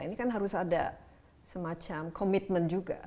ini kan harus ada semacam komitmen juga